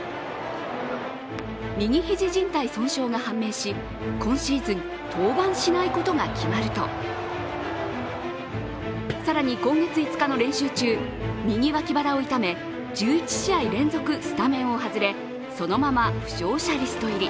右肘じん帯損傷が判明し、今シーズン登板しないことが決まると、更に今月５日の練習中、右脇腹を痛め１１試合連続スタメンを外れ、そのまま負傷者リスト入り。